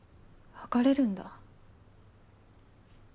別れるんだ？